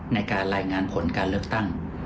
ในการรายงานผลการเลือกตั้ง